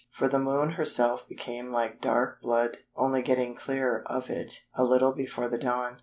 For the Moon herself became like dark blood, only getting clear of it a little before the dawn."